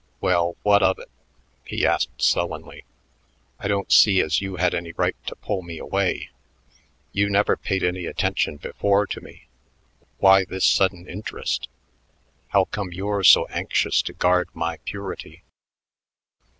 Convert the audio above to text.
"Well, what of it?" he asked sullenly. "I don't see as you had any right to pull me away. You never paid any attention before to me. Why this sudden interest? How come you're so anxious to guard my purity?"